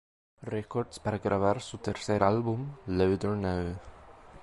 Records para grabar su tercer álbum, "Louder Now".